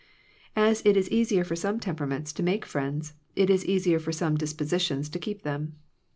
As it is easier for some temperaments to make friends, it is easier for some dis positions to keep them.